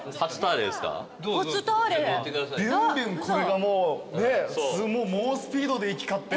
ビュンビュンこれがもう猛スピードで行き交って。